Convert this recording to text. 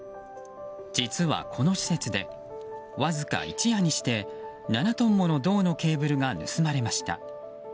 実は、この施設でわずか一夜にして７トンもの銅のケーブルが盗まれました。